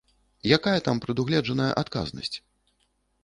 Якая там прадугледжаная адказнасць?